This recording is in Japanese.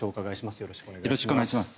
よろしくお願いします。